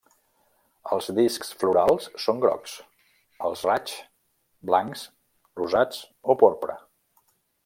Els discs florals són grocs; els raigs, blancs, rosats o porpra.